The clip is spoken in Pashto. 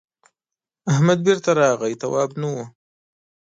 احمد بېرته راغی تواب نه و.